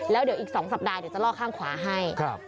แล้วเดี๋ยวอีก๒สัปดาห์เดี๋ยวจะลอกข้างขวาให้